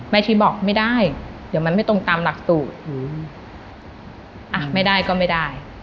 ชีบอกไม่ได้เดี๋ยวมันไม่ตรงตามหลักสูตรอ่ะไม่ได้ก็ไม่ได้